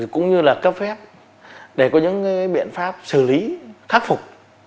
cũng như là cấp phép để có những biện pháp xử lý khắc phục